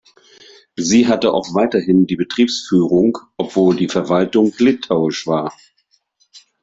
Sie hatte auch weiterhin die Betriebsführung, obwohl die Verwaltung litauisch war.